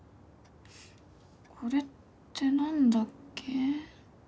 これってなんだっけ？